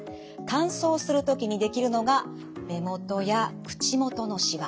乾燥する時にできるのが目元や口元のしわ。